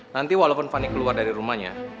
nanti walaupun fanny keluar dari rumahnya